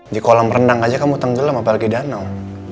di kolam renang aja kamu tenggelam apalagi danau